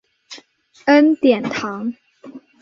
恩典堂。